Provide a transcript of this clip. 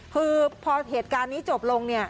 คือพอเหตุการณ์นี้จบลงเนี่ย